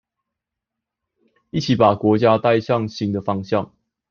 一起把國家帶向新的方向